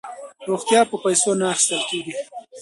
روغتیا په پیسو نه اخیستل کیږي.